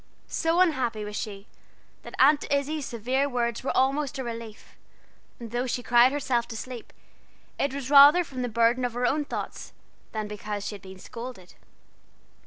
So unhappy was she, that Aunt Izzie's severe words were almost a relief; and though she cried herself to sleep, it was rather from the burden of her own thoughts than because she had been scolded.